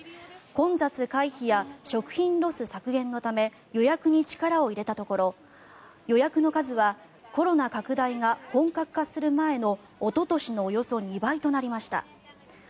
混雑回避や食品ロス削減のため予約に力を入れたところ予約の数はコロナ拡大が本格化する前のおととしのおよそ２倍となりました。